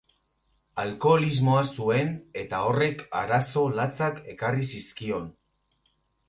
Alkoholismoa zuen, eta horrek arazo latzak ekarri zizkion.